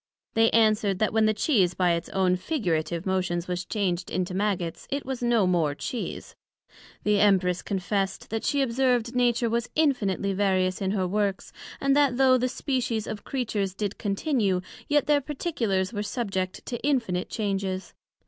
They answered, That when the Cheese by its own figurative motions was changed into Maggots, it was no more Cheese. The Empress confessed that she observed Nature was infinitely various in her works, and that though the species of Creatures did continue, yet their particulars were subject to infinite changes.